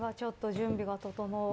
準備が整うまで。